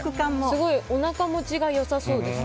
すごい、おなか持ちが良さそうです。